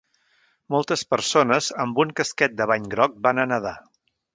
Moltes persones amb un casquet de bany groc van a nadar.